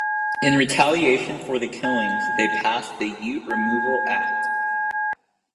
In retaliation for the killings, they passed the Ute Removal Act.